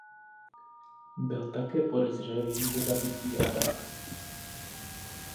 Byl také podezřelý ze zabití Adama.